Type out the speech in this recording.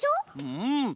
うん！